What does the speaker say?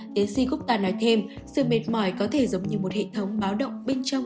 tiến sĩ gokta nói thêm sự mệt mỏi có thể giống như một hệ thống báo động bên trong